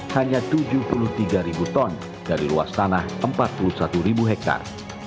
hanya tujuh puluh tiga ton dari luas tanah empat puluh satu hektar